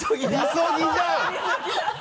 禊ぎじゃん。